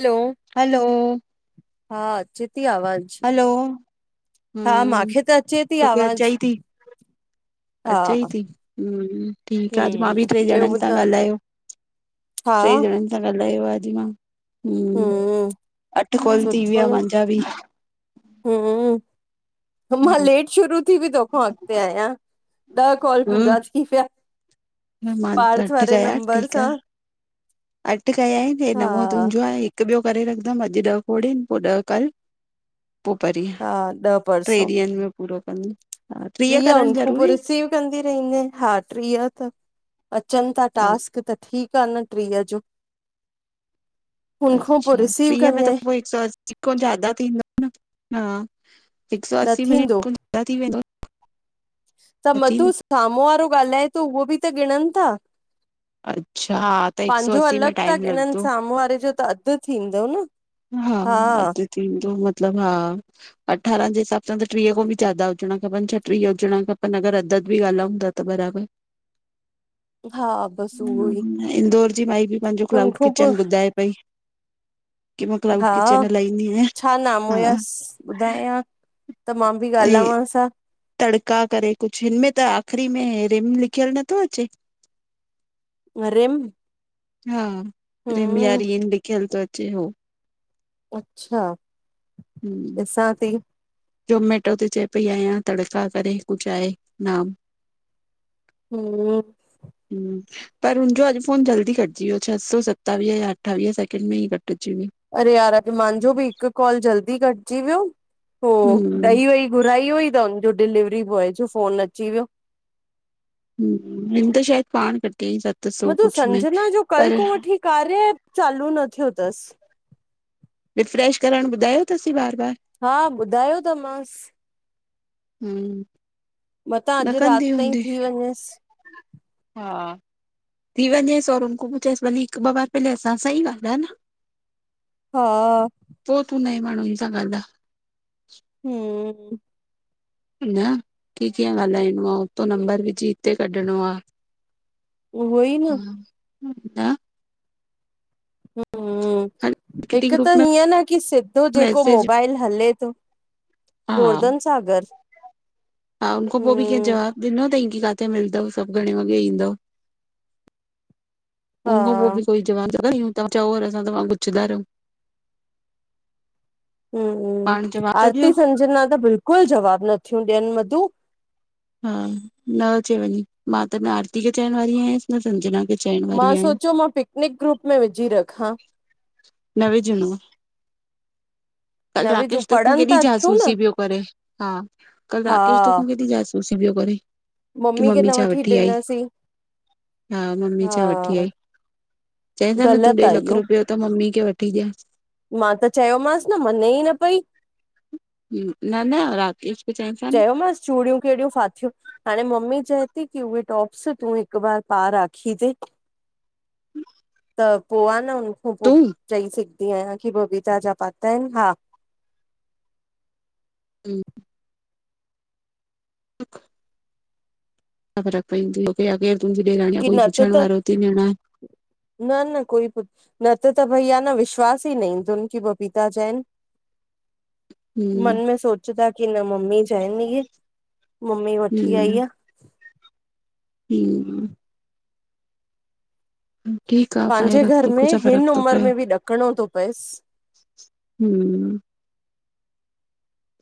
हलो hello हा अचे ती आवाज़ु हलो, हा हम्म, मांखे त अचे थी आवाजु अचेई थी ठीकु आहे अॼु मां बि टे हम्म ॿियो ॼणनि सा ॿुधायो ॻाल्हायो। हा टे ॼणनि अ ॻाल्हायो आहे अॼु मां, हम्म अठ् कॉल थी विया मुंहिंजा बि। [inaudible] हम् मां लेट शुरू थी बि तोखां अॻिते आहियां। ॾह कॉल हम्म, पूर थी विया। मां पार्थ अठ वारे कया नंबर ठीकु सां आह, अठ कया आहिनि हे हा नवो तुंहिंजो आहे हिकु ॿियो करे रखदमि अॼु ॾह खोड़ आहिनि, पोइ ॾह कल्। पोइ परींह, हा ॾह टे ॾींहंनि में पूरो कंदमि। हा, टीह ट्रिय, करणु हुनखो पोइ ज़रूरी? रिसीव कंदी रहंदमिहा ट्रिय त अचनि था अ- टास्क त ठीकु आह, न टीह जो हुनखो पोइ अच्छा रिसीव टीह में कंदे त पोइ हिकु सौ असी खां ज्यादा थींदो न, हा हिकु सौ न असी थींदो मिनट कुल ॿ थी वेंदो। [unintelligible] त अती मधु, न साम्हूं वारो ॻाल्हाए पियो उहो बि त ॻिणन था। अच्छा हा त हिकु सौ पंहिंजो असी अलॻि में त टाइम ॻिणनि, लॻंदो साम्हूं वारे जो त अधु थींदो न। हा अधु थींदो, मतलबु हा। अठारनि जे हिसाब सां त टीह खां बि ज्यादा हुजणा खपनि छ टीह हुजण खपनि अगरि अधु-अधु बि ॻाल्हायूं था त बराबर हा बसि उहो ई हुं इंदौर जी माई बि पंहिंजो हुन क्लाऊड खां पोइ किचन ॿुधाए पई। की मां क्लाउड हा किचन हलाईंदी आहियां छा नाम हा हुयसि ॿुधायां? त मां बि ऐं ॻाल्हायांसि हां। तड़का करे कुझु, हिन में त आख़िरी में रिम लिखियलु नथो अचे? रिम हा, रिम या हम रिन लिख्यलु थो अचे हो। अच्छा हम् ॾीसां थी। जोमेटो ते चए पई आहियां तड़का करे कुछू आहे नाम। [inaudible] [inaudible] पर हुनजो अॼु फोन जल्दी कटिजी वियो छह सौ सतावीह या अठावीह सेकेंड में ई कटिजी वियो। अरे यार अॼ मुंहिंजो बि हिक कॉल जल्दी कटजी वियो। हो हम्म ॾही वई घुराई हुई त हुनजो डिलेवरी बॉय जो फोन अची वियो। हमं हिन त शायद पाण कटयेई। मधु संजना जो कल्ह को वठी कार्य आप चालू न थियो अथसि। रिफ्रेश करण ॿुधायो तथसीं बार -बार? हा, ॿुधायो त मांस। हम्म- मतां न अॼ रात कंदी ताईं हूंदी थी वञेस। हा। थी वञेस और हुन खां पु चइस भली हिकु ॿ बार पहल असां सां ई ॻाल्हि आहे न। हा। पो तूं नये माणुन सां गाल्ह। हम्म। न कीअ कीअं ॻाल्हाइणो हथो नंबर विझी हिते कढणो आ। उहो ई न हा। न [inaudible] हल किटी हिक त ग्रुप में हीअं न की सिधो जेको मैसेज मोबाइल हले थो। हा गोर्धन सागर। हा हुननखो पोइ बि कंहिं हम्म जवाब ॾिनो तई की किथे मिलंद सभ घणे वॻे ईंदव? हा हुनख पोइ बि कोई जवाब चओ असां त पुछंदा रहूं। हम्म, पाण जवाब त ॾियो आरती संजना त बिल्कुल जवाब नथियूं ॾियन मधु। हा न अचे वञी मां त न आरती खे चवण वारी आयस न संजना खे। चइण मां वारी आयमि सोचियो मां पिकनिक ग्रुप में विझी रखा। न विझ हून में। कल न विझूं राकेश तो खूं पढ़नि केॾी था थियूं न जासूसी पियो करे हा कल हा राकेश तो खूं केॾी जासू सी पियो करे। की खे मम्मी न छा वठी आई ॾिनसीं हा मम्मी छा वठी आई? चई हा न तूं ग़लति ॾे आ लख इहो रुपियो त मम्मी खे वठी ॾया। मां त चयोमांस न मञे ई न पई। हा न-न राकेश खे चइनि था न चयोमस चूड़ियूं कहिड़ियूं फाथियूं हाणे मम्मी चए थी की उहे टॉप्स तूं हिक बार पार राखी ते [inaudible] त पोइ आहे न हुननखां पोइ तूं चई सघंदी आहियां की बबीचा जा पाता आहिन हा। [inaudible] हिकु। छा फर्क पवंदी हु की केरु तुंहिंजी ॾेराणी की कोई न त पुछण त वारो अथी ही न। न- न कोई पुछ न त त भैया न विश्वास ई न ईदोन की बबीता जा आहिन। मन हम्म में सोच दा की न मम्मी जाइन इये। मम्मी वठी हम्म आई आ। हम्म। ठीक आहे पाए पंहिंजे घर रखो में हिन कुझफ़र्क़ थो उमिरि पए। में बि ॾकणो थो पएसि हम्म।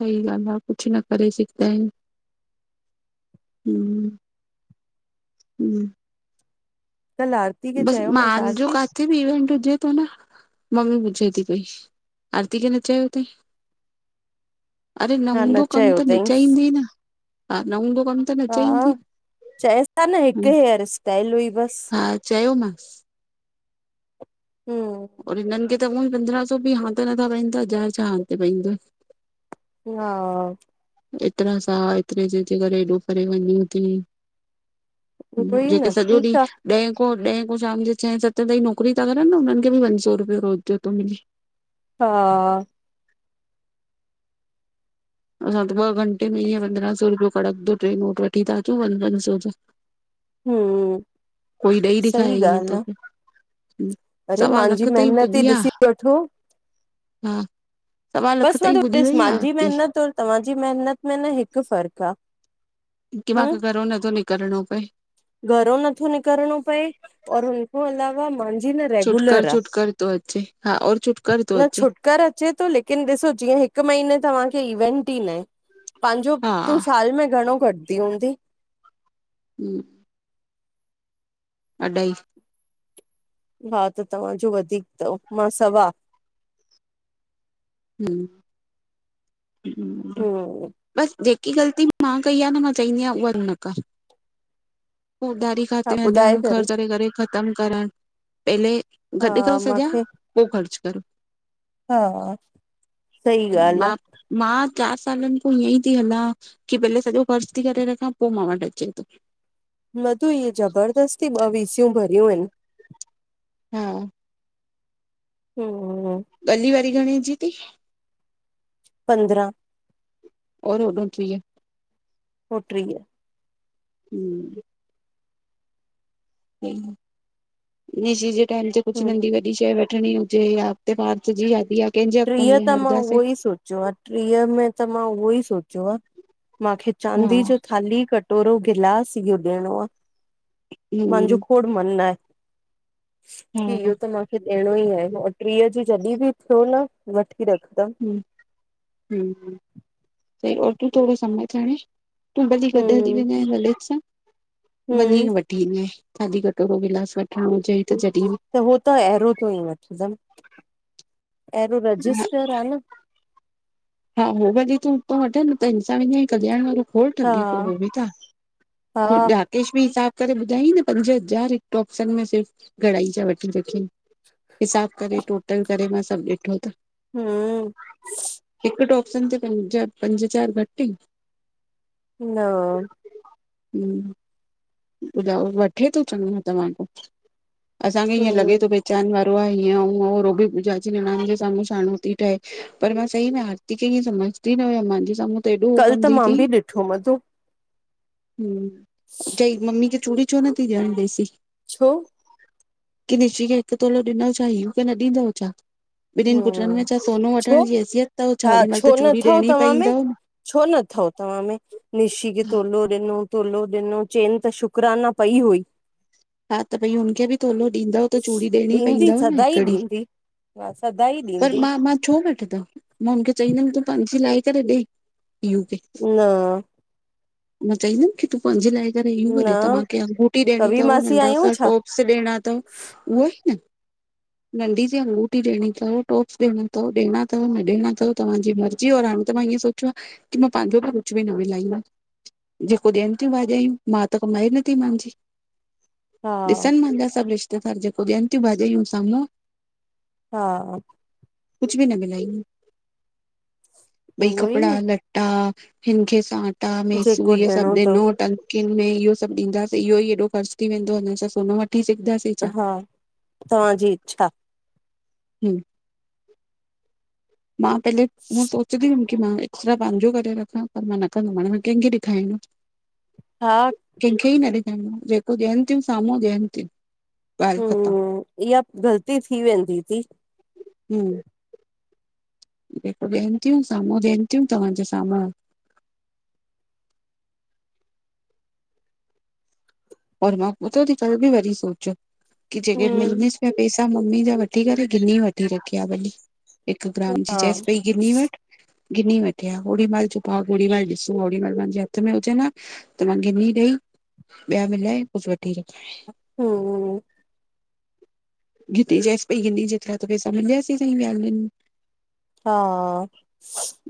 सही ॻाल्ह आहे कुझ न करे सघंदा आह आहिन। हम्म हम्म। कला - - बस मजो क - - किते बि इवेंट हुजे थो न मम्मी पुछे थी पई आरती खे न चयो अथईं। अरे न हा हूंदो कम चयो त न अथईंसि चहंदी न हा न हूंदो कम। हा, चएस न हिकु हेयर स्टाइल हुई बस। चयो मां। हम्म। और हिनन खे त उह पंद्रह सौ बि हथ नथा पाईन त ज छा हथ प - - हा - - एतिरा सां एतिरे जेे करे हेॾो परेे वञो थी। उहो ई जेके न सॼो ठीकु आ ॾींहुं- ॾहें खां ॾहें खां शाम जे छहें सतें ताईं नौकिरी था करनि न उन्हनि खे बि पंज सौ रुपे रोज़ जो थो मिले। हा - - असां त ॿ घंटे में ईअं पंद्रहं सौ रुपियो कड़कंदो टे नोट वठी थ अचूं प पंज सौ जो। हम कोई ॾेई ॾेखार ईअ त अरे सवा मुंहिंजी लख ताईं महिनत ई पुॼी आ। ॾिसी वठो हा - - बसि मां त ॾिस, मुंहिंजी महिनत और तव्हांजी महिनत में न हिकु फ़र्कु आहे की मां क घरो न त न करिणो पये। घरो नथो निकिरणो पए और हुन अलावा न छुटक रेगुलर आ छुटक थो अचे हा और छुटक थो अचे। कर अचे थो लेकिन ॾिसो जीअं हिकु महीने तव्हांखे इवेंट ई नाहे पंहिंजो हा तूं साल में घणो कटंदी हूंदी? हम अढाई हा त तव्हांजो वधीक थव, मां सवा हम ह हम्म [inaudible] बसि जेकी ग़लती मां कई आहे न मां चाहींदी आहियां उहा न कर। पो उधारी हा खाते हलणु, ॿुधाए ख़र्च करे करे ख़तमु करणु, पहले गॾु करे हा सज्या, मूंखे पोइ ख़र्चु कर। हा, सही ॻाल्ह मां आ। मां चारि सालनि खां ईअं ई थी हलां। की भले सॼो फर्ज़ थी करे रखां पोइ मां वटि अचे थो। मधु, इ जबरदस्ती ॿ वीसियूं भरियूं आहिन। हा हम गली वारी घणे जी थी? पंद्रहं। ओर होॾंओ टीह। पो ट्रीह हूं निशी जे टैम ते कुछ हम्म नंढ़ी -शय वठणी हुजे, या अॻते भा जी शादी आ। ट्रीह त मां उहोई सो ट्रीह में त मां उहोई सोचो आ, माखे हा चांदी जो थाली कट कटोरो गिलास इहो ॾियणो आ, मांजो हम्म खोड़ मन हा आहे। इहो त माखे ॾियणो ई आहे, औ ट्रीह जी जॾी ॿि थियो न वठी रखदम। हे, तूं थोड़ो समझ हांणे। तूं भली गॾ हली हम्म वेंजय ललित सां। वञी हम्म, वठी ईंजइ, थाली कटोरो, गिलास वठण। त हो त अहिरो तों ई वठंदम, अहिरो रजिस्टर [inaudible] हा, हो भली तूं उतौं वठ न, त हिनसां वेंदींअं हिक ॾियण वारो खोड़ हा ठॻे थो हू बि त, हा, राकेश बि हिसाब करे ॿुधायई न, पंज हज़ार हिक टॉप्सन में सिर्फ घड़ाई जा वठी रखयईं। हिसाब करे, टोटल करे, मां सभ ॾिठो त हूं हिक टॉप्सन ते, पंज, पंज चार घटि इन? न हू ॿुधायो, वठे तो चञो तव्हां खौं, असांखे ईएं लॻे तो हम्म पहचन वारो वारो आहे, हींअं हूंअं आ, पूजा जी निणान जे साम्हूं शाणो थी ठहे पर मां सही में आ केखे ईएं समझंदी न हुयम, मांजे साम्हूं त एॾो कल त कंदी मां ती बि ॾिठो मधु हूं [inaudible] चई, मम्मी खे चूड़ी छो न थी ॾियण ॾेसी? छो? की, निशी खे हिक तोलो ॾिनो, छा युव खे न ॾींदव छा? ॿिनिन पुट्रन में हम्म छा सोनो छो वठण जी हैसियत तव छा, हा ओड़ी महिला छो त न चूड़ी अथव ॾियणी तव्हां में पईंदव। छो नथव, तव्हां में? निशी खे तोलो ॾिनो तोलो ॾिनो, चेन त शुकराना पई हुई। हा त भई, हुनखे बि तोलो ॾींदव, त चूड़ी ॾियणी पईंदव न हिकड़ी। वा, सदाई ॾींदी। छो न वठंदम, मां हुनखे चईंदम तूं पांजी लाहे करे ॾे। यूके, न मां चईंदम की तूं पांजी लाहे करे, युव न खे ॾियो, तव्हांखे अंगूठी ॾियणी कवी मासी आहियूं छा -सि ॾिना तौं, उहोई न। नंढ़ी सी अंगूठी ॾेणी थव, टॉप्स ॾेणा थव, ॾेणा थव, न ॾेणा थव? तव्हांजी मर्ज़ी, और हाणे त मां ईएं सोचो आ की मां पांजो बि कुछ बि न मिलाईंदम, जेको ॾियन तियूं भाॼायूं, मा त कमाए नथी मांजी हा ॾिसन मांजा सभ रिश्तेदार, जेको ॾियन तियूं भाॼायूं साम्हूं। हा कुछ बि न मिलाईंदम, भई उहो ई कपड़ा न ल टा, हिनखे सांटा, मेसू, जेको इहे सभु ॾियणो अथव ॾिनो तन किन में इहो सभु, ॾींदासीं इहो ई एॾो ख़र्च थी वेंदो। हुनसां सोन वठी सघंदासीं? छा हा, तव्हांजी इच्छा। हम्म्। मां पहले, हीअ सोचंहूंदी हुं। कि मां एक्सट्ररा पंहिंजो करे रखां पर मां न कंदमि, हाणे मां कंहिंखे ॾेखारींदम। हा। कंहिंखे ई न ॾेखाइ, जेको ॾियनि थियूं साम्हूं ॾियनि थियूं। ॻाल्हि ख़तम हमम्, इहा ग़लती थी वेंदी थी। हम्म्। जेको ॾियनि थियूं साम्हूं ॾियनि थियूं तव्हांजे साम्हूं और मां पतो तई कल बि वरी सोचो कि जेके हम्म मिलडस् पैसा मम्मी जा वठी करे गिनी वठी रखी आहे भली। हिक ग्राम जी हा चइस पई गिन्नी वठ। गिनी वठे आहे ओङी महिल जो बाॻ होड़ीमहिल ॾिसो होड़ी माल मुंहिंजे हथ में हुजेन आ। त मा गिन्नी ॾही ॿिया मिलाए कुझु वठी रखाए। हमम्। गिती चैस पई गिनि जेतिरा त पैसा मिलयस हि सही हा।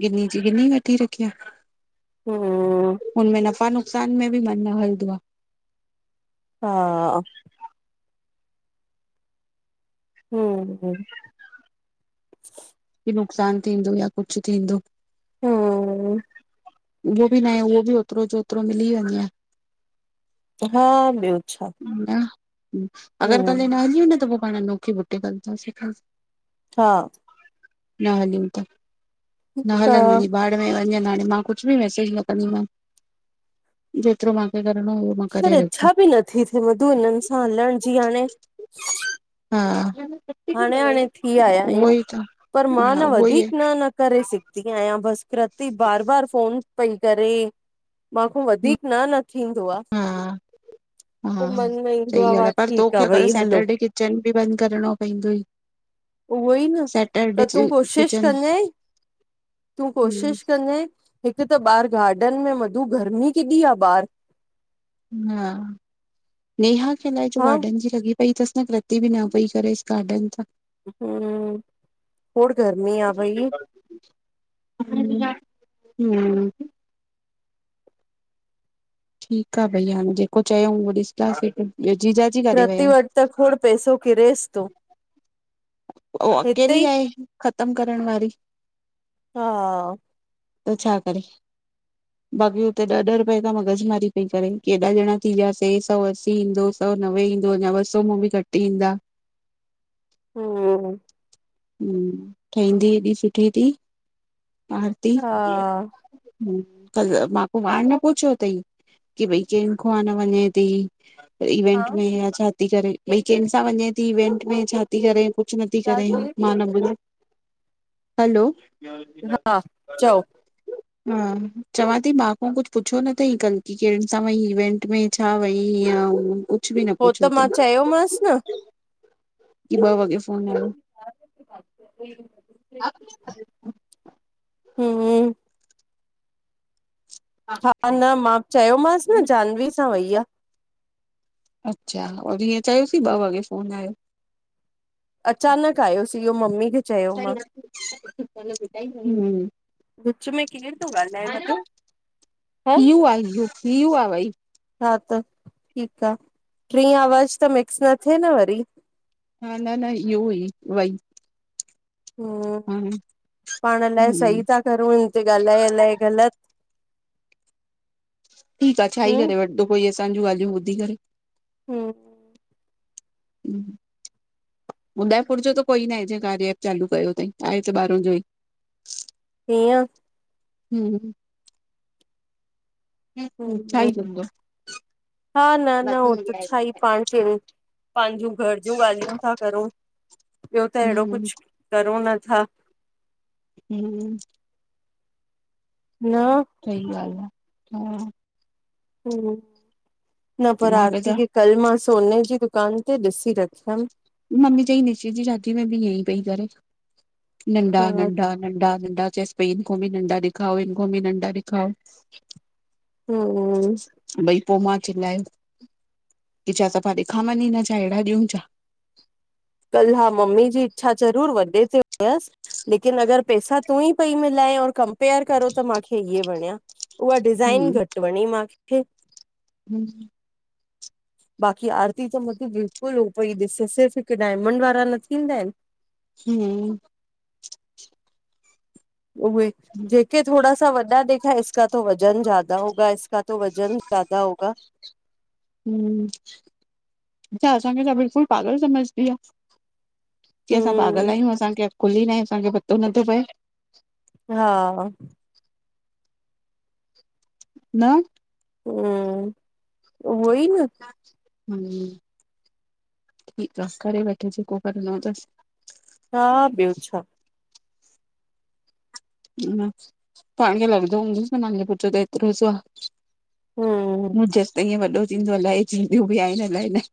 गिन्नी जी गिन्नी वठी रखीआ। हम्म। हुनमें नफ़ा नुक़सान में बि मन न हलंदो आ। हा हु हु कि नुक़सानु थींदो या कुझु थींदो हम्म, उहो बि ना आहे उहो बि ओतिरो जो ओतिरो मिली वञेआ हा ॿियो छा न अगरि कल हे हम्म, न हलिउ न त पोइ पाणि नौखे बुटिक हलन्दा से कल। हा। न हलियूं त न हलनि हा, वञी बाढ़ में वञन हाणे मां कुझु बि मैसेज न कंदी मान जेतिरो मांखे करिणो हो पर इच्छा बि नथी थिए मधु हिननि सां हलण जी हाणे हा हाणे हाणे थी आया उहो आहियूं ई त पर मां हा न उहो ई वधीक न न करेे सिघदी आहियां बस कृती बार बार फोन पई करे मांखो आहे वधीक न न थींदो आ हा हा पोइ मन में ईंदो सही आहे ॻाल्हि वाह पर ठीकु तोखे आहे अगरि भई हलो। सैटरडे किचन बि बंदि करिणो पइदुई। उहो ई न त तूं कोशिश किचन कन्जाए तूं कोशिश कंॼाए हिकु त ॿाहिरि गार्डन में मधू गर्मी केॾी आहे ॿार हा नेहा खे अलाए छो हा गार्डन जी लॻि पई तस न कृती बि न पई करेस गार्डन त हम्म खोण गर्मी आ भई हम [unintelligible] ठीकु आ भई हाणे जेको चयऊं उहो ॾिसंदासीं ॿियो जीजाजी काॾे विया प्रति आहिनि? वटि त खोड़ पैसो कीरेस थो उह हिते अकेली ई आहे ख़तम करण वारी हा त छा करे? बाक़ी हुते ॾह-ॾह रुपए तं मगज़ मारी पई करे केॾाॼणा थी वियासीं सौ असी ईंदो सौ नवे ईंदो अञा ॿ सौ मां बि घटि ईंदा। हूं हूं ठहंदी एॾी सुठी थी आारती हा कल्ह मां खों पाण न पुछियो अथई की भई कहिं खो आ न वञे थी हा इवेंट में, या छा थी करे? भई कंहिंसां वञे थी इवेंट में, छा थी करे? कुछ नथी छा करे चई मां न बुधायो हलो हा चओ [unintelligible] हा चवां थी मांखों कुझु पुछो न अथई कल की केनि सां वंई इवेंट में छा वई हीअं कुझु बि न पुछो अथई चयोमास न की ॿ वॻे फोन आयो पो हुं हूं हा न मां चयोमांसि न जाहनवी सां वई आ अच्छा और हीअं चयोसीं ॿ वॻे फ़ोन आहियो अचानक आहियो सी इहो ममी खे चयो मां हूं विच में केर तो ॻाल्हाए मधु? ईयू आ ईयू पीहू आ भई हा त ठीकु आ ट्रिं आवाज त मिक्स न थे न वरी? हा न, न इहो हुई, वई। हुं हा पाण अलाए सही हम्म था करूं हिन ते ॻाल्हाए अलाए ग़लति ठीकु आ छा ई हम्म करे वठिदो कोई असांजूं ॻाल्हियूं ॿुधी करे? हूं हूं उदयपुर जो त कोई नाए जे कार्य ऐप चालू कयो अथई आहे त ॿाहरों जो ई [inaudible] हीअं हूं हूं छा ई हम्म चउंदो? हा, न, न हो त छाई पाण के पंहिंजूं घर जूं ॻाल्हियूं था करूं, ॿियो त अहिड़ो हम्म कुझु करूं नथा। हूं न सही ॻाल्हि आ हा हूं, न पर मां क आरती च खे कल मां सोने जी दुकान ते ॾिसी रखियमि। मम्मी चई निशी जी शादी में भी इयं पई करेे हा नंढा-नंढा नंढा-नंढा चैस पयी इन खों भी नंढा ॾेखाओ हिनखों भी नंढा ॾेखाओ हाो ओ ओ- भई पो मां चिलायो, की छा सफ़ा ॾेखां मञी न छा अहिड़ा ॾियूं छा कल् हा मम्मी जी इच्छा ज़रूर वॾे ते हुयसि लेकिन अगरि पैसा तू ई पई मिलाए और कंपेयर करो त माखे इीअ वणिया। उहा डिज़ाइन हम्म। घटि वणी मां खे [inaudible] बाकी आरती त मतब बिल्कुल हो पई ॾिसे सस हीक डायमंड वारा न थींदा आहिनि हम उहे, जेके थोडा़ सा वॾा ॾेखायस इसका तो वज़न ज्यादा होगा, इसका तो वज़न ज्यादा होगा हम अच्छा असांखे त बिल्कुल पागल सम्झंदी आहे चईं असां पागल हम्म आहियूं असांखे अकुल ही नाए असांखे पतो नथो पए हा न हम उहो ई न हम, ठीक आहे करे वठे जे को करणो तस। हा ॿियो छा ह न पाणी लॻंदो हूंदस न नाली ॼो पुठ त एतिरो सो आ हम्म मुं चयसि ते ईअं वॾो थींदो अलाए थींदियूं बि आहिनि अलाए न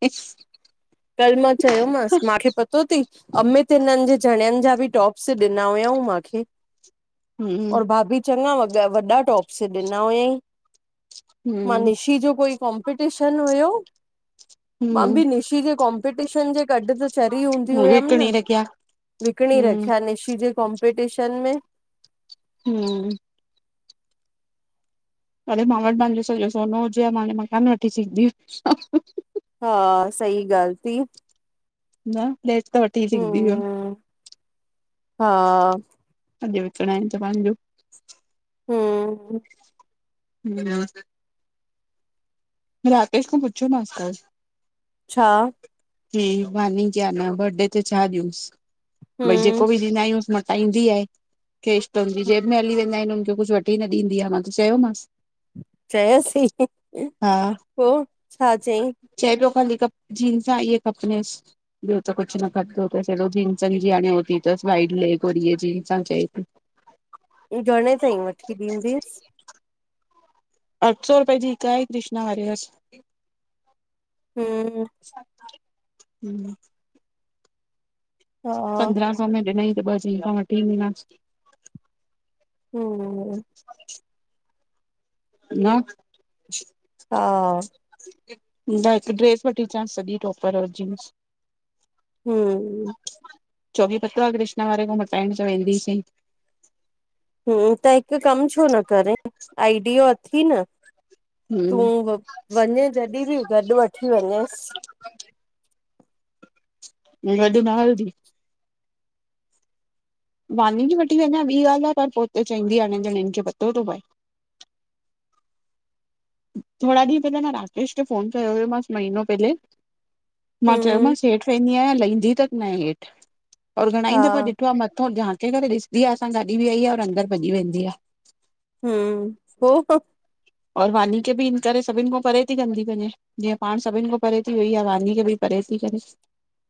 कल मां चयोमांसि माखे पतो पतो तयी अमित हिननि जे जणियनि जा बि टॉप्स ॾिना हुयाऊं माखे हम्म और भाभी चङा वगा वॾा टॉपस ॾिना हुयईं मां हम्म निशी जो कोई कॉम्पिटीशन हुयो, मां बि हम्म निशी जे कॉम्पिटीशन जे ॻड ता चरी हूंदी होयम न, विकिणी रखिया विकणी हम्म रख्या निशी जे कॉम्पिटीशन में हम अरे मां वटि मुंहिंजो सॼो सोनो हुजेहां मां हाणे मकान वठी सघंदी हुजां हा सही ॻाल थी। न फ्लैट त वठी सिगदी वयम हम्म हा अॼु विकिणा आहिनि त पंहिंजो हम ह न [unintelligible] राकेश खॉं पुछयोमास कलु छा? चईं वहॉं नही जाना बरडे ते छा ॾियूंसि भई हम्म जेको बि ॾींदा आयुस न त ईंदी आहे कैश त हुंजी जेब में हली वेंदा आहिनि हुनजी जेब कुझु वठी ई न ॾींदी आहे मां त चयोमसि चयसि हा पोइ छा चईं? चए पियो ख़ाली कप जींसा इहे खपिनेस ॿियो त कुझु न कटंदो तस हेॾो जींसन जी हाणे हू थी तस व्हाइट लेॻ और हीये जींसा चई पइ हू घणे ताईं वठी ॾींदीेएस? अठ सौ रुपये जी हिकु आहे कृष्णा हरे हस हम हम हा पंद्रा सौ में ॾिनई त ॿ जींसा वठी ईंदीमास। हम। न, हा, न हिकु ड्रेस वठी अचांसि सॼी टॉपर और जींस। हूं, चोबी पतवा कृष्णा वारे खों मटाइण च वेंदी सी। हूं, हिकु कमु छो न करे आइडियो अथी न तूं हम्म वञे जॾीं बि गॾु वठी वञेंस। गॾ न हलदी। वानी खे वठी वञा ॿी ॻाल्ह आ पर पो त चवंदी आ हिननि जणनि खे पतो थो पए। थोरा ॾींह पहला मां राकेश ते फोन कयो हुयो मास महनो पहले। मां हम्म चयोमांसि हेठि वेंदी आयां लहंदी तक न आए हेठ। और घणा ई दफ़ा हा ॾिठो आ मथों झांके करे ॾिसदी आ असां ॻाॾी बि आई आ और अंदरि भॼी वेंदी आ। हूं ह पो और वानी खेे बि हिन करे सभिनि खों परे ती कंदी वञे। जीअं पाण सभिनि खां परे थी वई आ, वानी खे भई परे थी करे।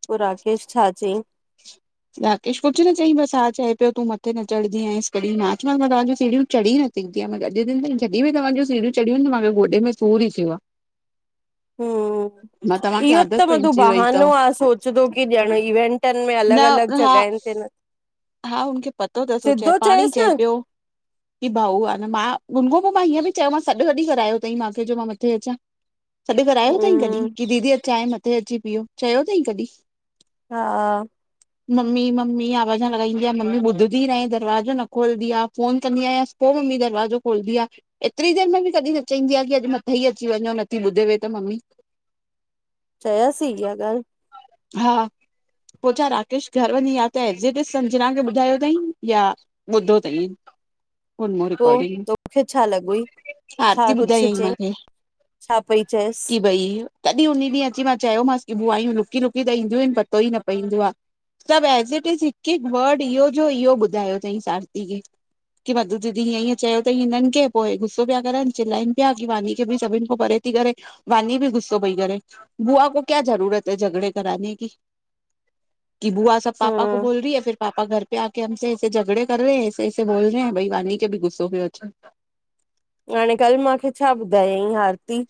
पो राकेश छा चयईं राकेश कुझु न चई बसि हा चए पियो तू मथे न चढ़दी आईं कॾहिं माचो मां तव्हांजूं सीड़ियूं चढ़ी न [unintelligible] जॾीं बि तव्हांजूं सीढियूं चढ़ियूं आहिनि त मूंखे गोॾे में सूर थीयो आ हूं इहो त मधू पइजी वई बहानो अथव आ सो सदो की ॼियण इवेंटन में न अलॻि अलॻि हा जॻहनि ते न हा हुनखे पतो तस हो चे सिधो पाणी चयसि चए न पियो। की भाऊ आ न मां गुनपो मां हीअं बि चयोमस सॾु कॾी करायो थई मूंखे जो मां मथे अचां। सॾु करायो थईं कॾहिं हम्म की दीदी अचां मथे अची पियो चयो अथई कॾहिं। हा, मम्मी मम्मी आवाज आवाज लॻाईंदी आं मम्मी ॿुधी नाहे दरवाजो न खोलदी आ फ़ोन कंदी आयां पो मम्मी दरवाजो खोलदी आ। एतिरी देर में बि कॾी न चईंदी आ की अॼु मथे ई अची वञो नथी ॿुधेव त मम्मी। चयेस इहाॻाल। हा पो छा राकेश घर वञी या त एज़ि ते संजना खे ॿुधायो थई या ॿुधो तई। पोइ तोखे छा लॻोइ आरती छा कुझु ॿुधायई चयईं। मूंखे छा पई चएस। की भई तॾहिं उन ॾींहुं अची मां चयोमासि की बूआयूं लुकी लुकी त ईंदियूं आहिनि पतो ई न पईंदो आ। सभ एज़ इट इज़ हिकु हिकु वड इहो जो इहो ॿुधायो तई आरती खे। की माधू दीदी ईअं ईअं चयो तई हिननि खे पो गुसो पिया करनि चिलाइनि पिया की वानी। की बई सभिननि को परे थी करेे वानी बि गुस्सो पई करे बुआ को कया ज़रूरत ए झगड़े कराने की, की बुआ सभु पापा को हम्म बोल री है फिर पापा घर पे आ क हमसे ऐसे झॻड़े कर रेै है ऐसे ऐसे बोल रेै भई वानी खे बि गुसो प्यो अचे। हाणे कल्ह मूंखे छा ॿुधायई आरती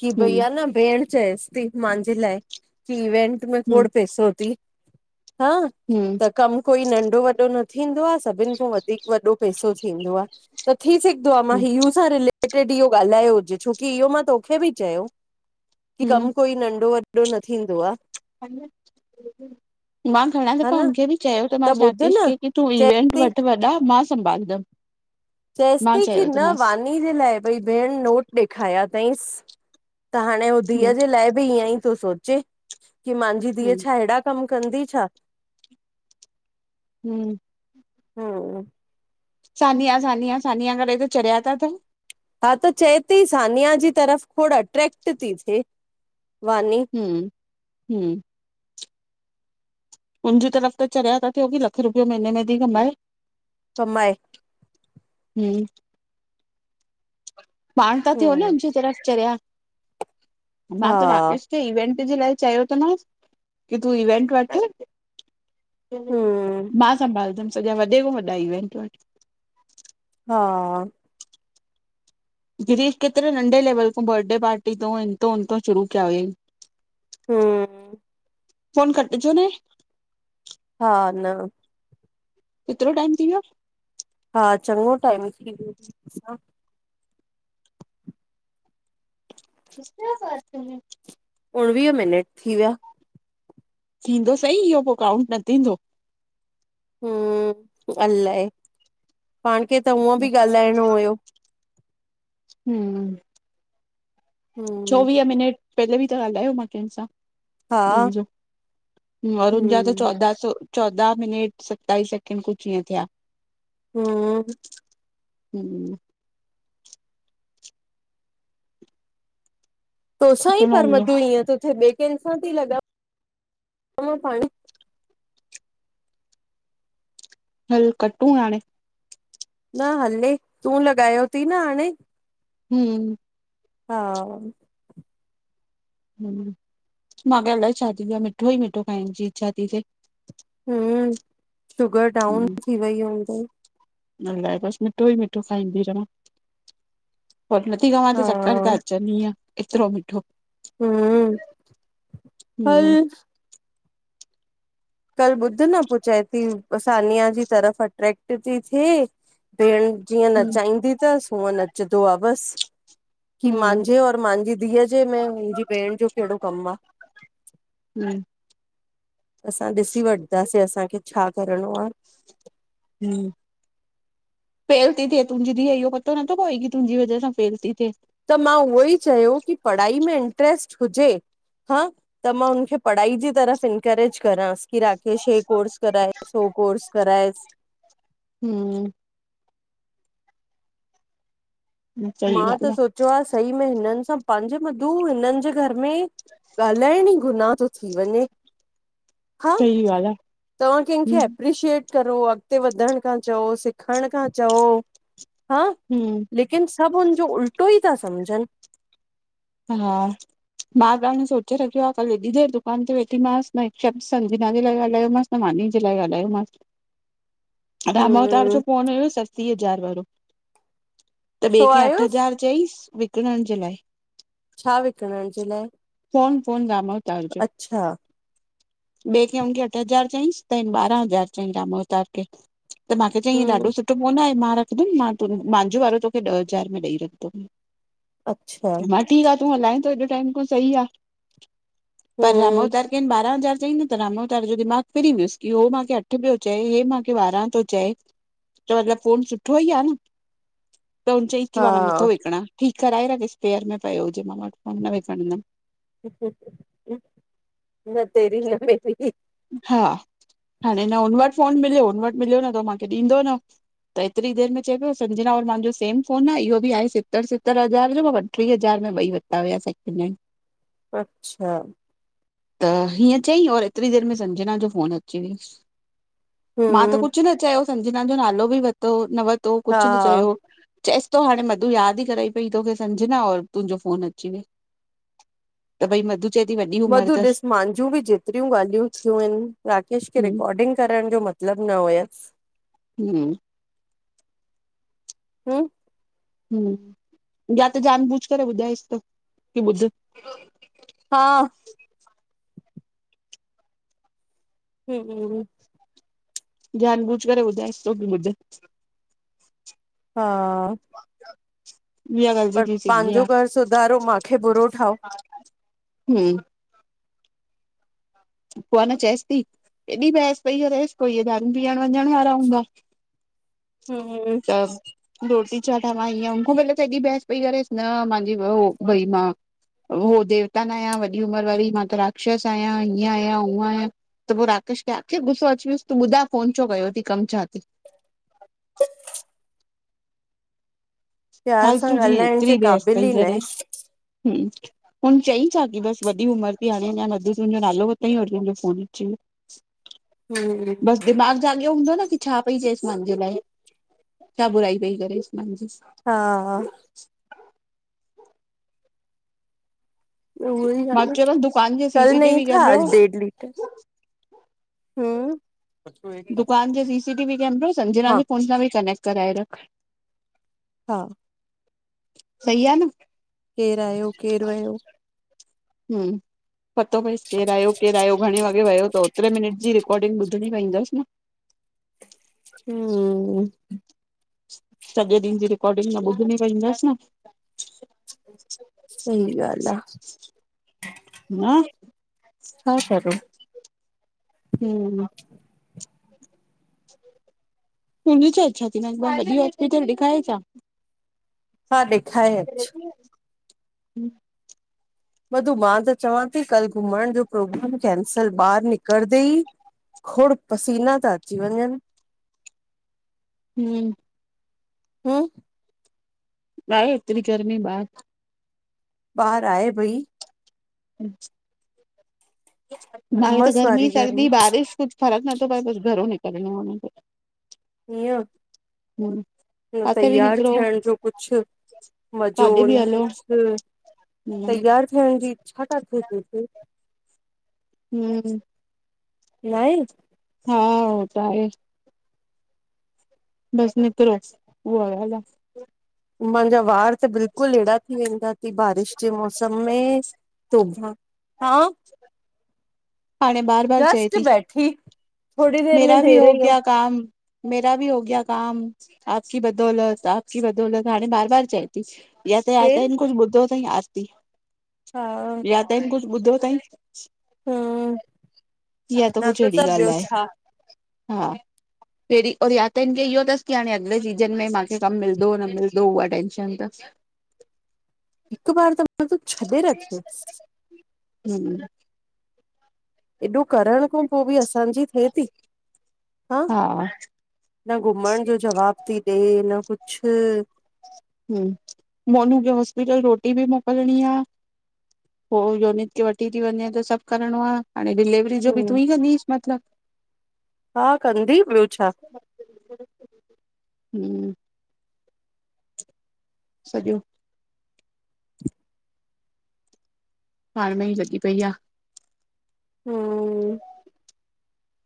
की हम्म भईया न भेण चएसि थी मांजे लाइ की इवेंट में हम्म खोड़ पैसो थी। हां हम्म त कमु कोई नंढो वॾो न थींदो आ सभिनि खां वधीक वॾो पेसो थींदो आ त थी सगदो आहे मा हम्म हीयूं सां रि टे ॾींहो ॻाल्हायो हुजे छोकी इहो मां तोखे बि चयो की हम्म कम कोई नंढो व एॾो न थींदो आ मां घणा हा दफ़ा न हुनखे बि चयो त मासि ॿुध राकेश न खे की तूं चएसि इवेंट थी वठि वॾा मां संभालंदम चएसि थी की न वानी जे लाइ भई भेण नोट ॾेखायां थईसि त हाणे हू हम्म धीअ जे लाइ बि ईअं ई थो सोचे कि मांजी धीअ हम्म छा अहिड़ा कम कंदी छा? हूं हूं सानिया, सानिया, सानिया करेे त चरिया ता थियन हा त चए थी सानिया जी तरफ़ खोड़ अट्रेक्ट थी थिए वानी हूं हूं मुंहिंजी तरफ़ त चरिया था थियो की लखु रुपियो महीने में थी कमाए कमाए हूं पाण था थियो न हम उनजी तरफ़ चरिया मां त हा, राकेश खे इवेंट जे लाइ चयो त मांस की तूं इवेंट वठ हम्म, मां संभालंदमि सॼा, वॾे खों वॾा इवेंट वठ हा गिरीश केतरे नंढे लेवल खों बर्डे पार्टी तो इंतों उंतों शुरु कया हुयंई हूं फोन कटजो न हा न केतिरो टाइम थी वियो? हा चंङो टाइम थी वियो किस से बात करनी उणिवीह मिनट थी विया थींदो सही, इहो पो काउंट न थींदो हूं अलाए पाण खे त हूअं बि ॻाल्हाइणो हुयो हूं हम्म, चोवीह मिनट पहले बि ता ॻाल्हायो मां कंहिं सां हा, ॾीहं ॼो वरून जा त हम्म, चोदह सौ चोदाह मिनट सताइस सेकेंड कुछ ईंहे थिया हूं हूं तोसां सुठो ई न पर हूंदो मधू ईअं थो थे ॿिए कंहिं सां थी लॻा मां पाण हल कटूं हाणे न हले तूं लॻायो थी न हाणे हूं हा हूं मां खे अलाए छा थी वियो आ मिठो ई मिठो खाइण जी इच्छा थी थिए हूं शुगर डाउन थी वई हूंदई। न अलाए बसि मिठो ई मिठो खाईंदी रहवां। पो नथी खावां हा, त चक्कर था अचनि ईअं, एतिरो मिठो। हुं हल हम्म कल्ह ॿुध न पो चए थी सानिया जी तरफ़ अट्रेक्ट थी थे। भेणि ॼीअं हम्म नचाईंदी तसि, हूअं नचदो आ बसि। कि हम्म माजें और मांजी धीअ जे में मुंहिंजी भेणि जो केहिड़ो कमु आ। हम्म [unintelligible] असां ॾिसी वठदासे, असांखे छा करिणो आ? हम्म फेल ती थिए तुंहिंजी धीउ इहो पतो नथो पवई, की तुंहिंॼी वजह सां फेल ती थे। त मां उहो ई चयो कि पढ़ाई में इंट्रेस्ट हुजे। हा, त मां हुनखे पढ़ाई जी तरफ़ इनकरेज़ करासि। कि राकेश हे कोर्स कराएसि, हो कोर्स कराएसि। हम्म! सही मां त ॻाल्हि सोचियो आ, सही में हिननि सां पां जे मधूं, हिननि जे घर में ही ॻाल्हाइण ई गुनाह तो थी वंञे। सही ॻाल आ। तव्हां कंहिंखे हम्म एप्रिशिएट करो, अॻिते वधणु खा चओ, सिखणु खा चओ, हाँ हम्म! लेकिन सभि हुनॼो उल्टो ई था समझनि। हा मां अॻाणे सोचे रखियो आ। कल हेॾी देर दुकान ते वेठी मासि [unintelligible] त मानी जे लाइ ॻाल्हायो मासि। रामावतार हम जो फ़ोन हुयो, सस्सी हजार वारो। त ॿिए छो खे अठ आयुसि हज़ार चईसि, विकिणणि जे लाइ। छा विकणणि जे लाए? फोन- फोन रामवतार जो। ॿे कै हुनखे अठ हज़ार चयईसि, त इन ॿारहां हज़ार चई राम अवतार खे। त माखे चईंं हम ॾाढो सुठो ठो फ़ोन आए, मां रखंदुमि। मा तू माहिंजो वारो तोखे ॾह हज़ार में ॾेई रखंदुमि। अच्छा! हा ठीकु आ, तू हलाए थो एॾो टाइम खा, सही आ, पर हम रामावतार खे ॿारहां हज़ार चयीं न? त रामावतार जो दिमाग़ फिरी वियुसि, कि हो मांखे अठ पयो चए, हे माखे ॿारहां तो चये। चओ मतलबु, फोन सुठो ई आ न? त हुन चईस की मा नथो हा विकिणां, ठीकु कराए रखेस स्पेयर में पयो हुजे, मा वटि, मा न विकिणंदमि। न तेरी- न मेरी। हा, हाणे न हुन वटि फ़ोन मिलियो, हुन वटि मिलियो न त मांखे ॾींदो न। त हेतिरी देर में चए पयो संजना और मांजो सेम फ़ोन आहे, इहो भी आहे सितर सितर हजार जो माउ वटि। ट्रीअ हज़ार में ॿई वरिता हुया सैकेंड हेंड। अच्छा! त हीअं चईं और ऐतिरी देर में सजंना जो फोन अची वियसु। मा त हम कुछ न चयो, संजना जो नालो बि वरितो न वरितो हा कुछ न चयो। चयसि तो हाणे मधु यादि ई करई पयी तोखे संजना और तुंहिंजो फोन अची वियो। त भई मधु मधु ॾिस, मांजियुं बि जित केतिरियूं ॻाल्हियूं थियूं आहिन, राकेश खे हूं रिकॉर्डिंग करणु जो मतिलबु न हुयसि। हम्म [unintelligible] हम्म [unintelligible] हम्म, या त जानबूझ करे ॿुधायसि तो, कि ॿुध हा हम ह [unintelligible] जानबूझ करे ॿुधाएसितो की ॿुध। हा इहा ग़लती पर थी सघंदी पांजो घर सुधारो, माखे बुरो ठाओ। हू पोइ आहे न चएसि ती, हेॾी बहस पई करेस। पो हे दारु पीअण वंञण वारा हूंदा? [inaudible] हम त [unintelligible] रोटी छा ठावा? हीयं हुनखूं सां हेॾी बहस पई करेसि, न माहिंजी बहू भई मा हूअ देवता न आहियां वॾी उमर वारी, मा त राक्षस आहियां। ईअं आयां, ऊंअ आयां, त पोइ राकेश के आखिर गुस्सो अची वियुसि, तू ॿुधाए फोन छो कयो तईं? कमु छा ती? प्यार सां फालतू जींअ ॻाल्हाइण जे ऐतरी बहस क़ाबिल पई ई न आहे। करेस, हम हुन चईं छा की बसि वॾी उमर ती, हाणे अञां मधु तुंहिंजो नालो वरतयि और तुहिंजो फोन अची वयो। [inaudible] हम बसि दिमाग़ जाॻियो हूंदो न की छा पई चएसि मान्जे लाये? छा बुराई पई करेस मान्जी? हा हा [inaudible] उहई आ मां न, चयोमांसि दुकान जे कल नही सीसीटीवी था, कैमरो आज डेढ लीटर। ह [unintelligible] दुकान जे सीसीटीवी कैमरो, संजना जे हा फोन सा बि कनेक्ट कराए ॾियो। हा सही आ न‌? केर आहियो? केर वयो? ह पतो पयेस केर आयो- केर आहियो? घणे वॻे वयो तो? हेतरे मिनट जी रिकॉडिंग ॿुधणी पेंईदस न? ह [unintelligible] सॼे ॾींहुं जी रिकार्डिंग न ॿुधणी पेंंदसि न? सही ॻाल्हि आहे न? छा करों? हम [unintelligible] तुहिंजी छा इच्छा थी? मां हिकु बार वॾी हास्पिटल ॾिखाए छा? हा ॾेखाए अच। मधु, मां त चवां ती, कल घुमणु जो प्रोग्राम कैंसल। ॿाएर निकरदे ई खोड़ पसीना ता अची वंञन। ह [unintelligible] ह [unintelligible] ॿाएर ऐतरी गरमी ॿार ॿाएर आहे भई। ॿाएर त उमस गर्मी वारी सर्दी बारिश कुछ फरक़ नथो पए कुछ घर मे [unintelligible] इअं? [unintelligible] हम न तैयार थियणु जो कुछ, मज़ो काॾे बि न हलो कुछ हम्म तैयार थियणु जी इच्छा काथें ती थे? हम ना इन [unintelligible] हा, हो त आहे। बसि निकरो, उह ॻाल्हि आ। मांजा वारि त बिल्कुल ऐहिड़ा थी वेंदा तयी, बारिश जे मौसम में, तोभां। हा पाणें ॿार जस्ट बैठी थोरी देर में मेरा भी देर हो ई गया काम, मेरा भी हो गया काम। आपकी बदौलत- आपकी बदौलत, हाणें बार बार चये। या त आत केरु इनको, कुछ ॿुधो तईं आरती। हा या त ईंन कुछ ॿुधो तईंं? हम्म इया त न कुछ अहिड़ी ॻाल्हि ॿियो आहे, छा हा पहिरीं और या त इनखे इहो तसि की, हाणे अगिले सीज़न में माखे कमु मिलंदो न मिलंदो, उहा टेंशन तसि। [inaudible] हिकु बार त, मा तू छॾें रखेस। हम्म [unintelligible] एॾो करणु खो पोइ बि, असांजी थे ती? हा न घुमणु जो जवाब ती ॾे, न कुछ हूं, मोनू खे हॉस्पिटल रोटी बि मोकिलणीं आ। पोइ योनित के वठी ती वञें, त सभु करिणो आ। हाणे डिलेवरी वरी जो बि तू हम्म ई कंदीस मतिलबु? हा कंदी, ॿियो छा? हम्म [unintelligible] सॼो पाणु में ई लॻी पई आ। हम्म [unintelligible]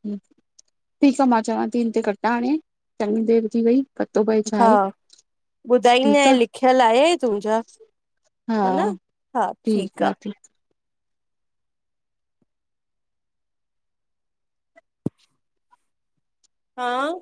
ठीकु आ, मां चवांती इनते कटा हाणे, चॻी देरि थी वई। पतो पए छा हा, आहे ॿुधाईंदे ठीकु आ लिखियल आहे तुंहिंजा? हा ह न, हा ठीकु आ। हाँ?